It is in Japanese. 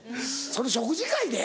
その食事会で？